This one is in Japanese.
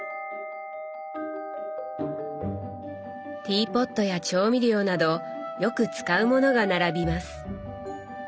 ティーポットや調味料などよく使うものが並びます。